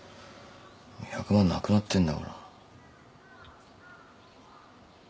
もう１００万なくなってんだから。